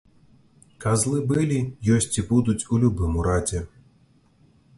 Казлы былі, ёсць і будуць у любым урадзе.